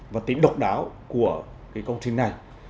và tính độc đáo của công trình này